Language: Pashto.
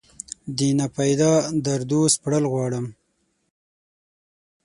دناپیدا دردو سپړل غواړم